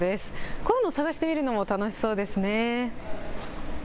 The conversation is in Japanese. こういうのを探してみるのも楽しそうですね。